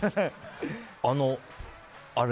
あの、あれ？